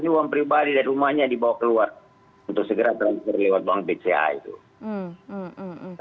ini uang pribadi dari rumahnya dibawa keluar untuk segera transfer lewat bank bca itu